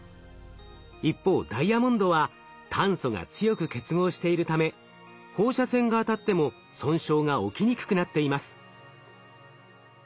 一方ダイヤモンドは炭素が強く結合しているため放射線が当たっても損傷が起きにくくなっています。